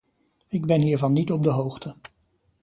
Ik ben hiervan niet op de hoogte.